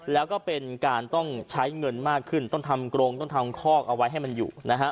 แล้วก็เป็นการต้องใช้เงินมากขึ้นต้องทำกรงต้องทำคอกเอาไว้ให้มันอยู่นะฮะ